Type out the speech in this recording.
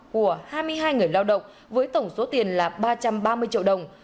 của hai mươi hai người lao động với tổng số tiền là ba trăm ba mươi triệu đồng